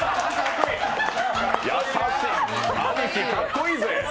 優しい、兄貴かっこいいぜ。